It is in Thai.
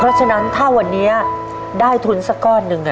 เพราะฉะนั้นถ้าวันนี้ได้ทุนสักก้อนหนึ่ง